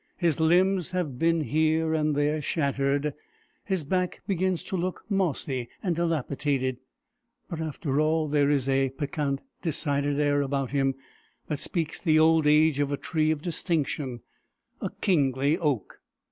His limbs have been here and there shattered; his back begins to look mossy and dilapidated; but, after all, there is a piquant, decided air about him, that speaks the old age of a tree of distinction, a kingly oak.